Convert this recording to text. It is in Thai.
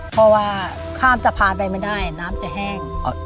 เพราะว่าข้ามสะพานไปไม่ได้น้ำจะแห้ง